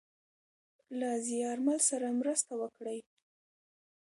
له زیارمل سره مرسته وکړﺉ .